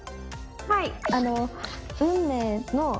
はい。